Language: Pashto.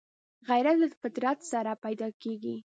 غیرت له فطرت سره پیدا کېږي